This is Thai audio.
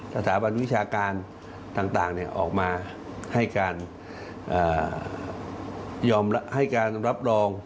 สถาบันวิชาการต่างออกมาให้การยอมให้การรับรอง